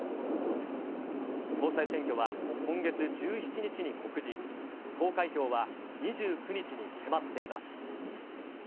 総裁選挙は今月１７日に告示、投開票は２９日に迫っています。